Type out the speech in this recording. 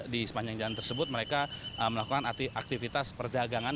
di sepanjang jalan tersebut mereka melakukan aktivitas perdagangan